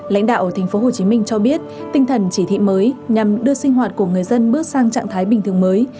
lãnh đạo tp hcm cho biết tinh thần chỉ thị mới nhằm đưa sinh hoạt của người dân bước sang trạng thái bình thường mới